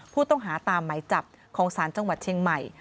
ผู้ต้องหาตามไหมจับของศาลจังหวัดเชียงใหม่